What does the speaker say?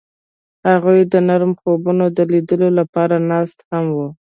هغوی د نرم خوبونو د لیدلو لپاره ناست هم وو.